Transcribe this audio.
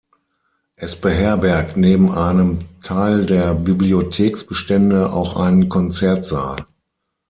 Es beherbergt neben einem Teil der Bibliotheksbestände auch einen Konzertsaal.